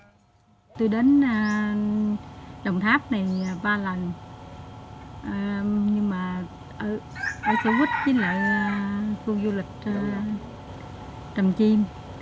tôi đến đồng tháp này ba lần nhưng mà ở sở quýt với lại khu du lịch tràm chim